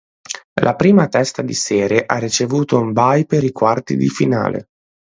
La prima testa di serie ha ricevuto un bye per i quarti di finale.